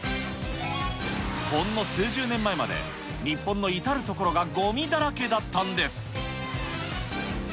ほんの数十年前まで、日本の至る所がごみだらけだったんです。